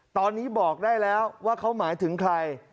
ตอนนี้บอกได้แล้วว่าเขาหมายถึงใคร